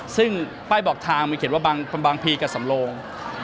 ซึ่งป้ายบอกทางมีเขียนว่าบางพีกับสำโลง